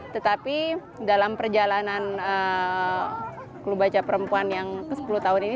tetapi dalam perjalanan klub baca perempuan yang ke sepuluh tahun ini